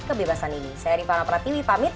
kebebasan ini saya riva rapa t w pamit